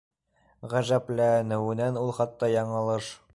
Ғәжәпләнеүенән ул хатта яңылыш